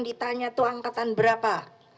ditanya tuh angkatan berapa